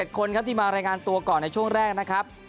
คนครับที่มารายงานตัวก่อนในช่วงแรกนะครับ